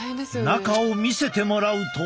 中を見せてもらうと。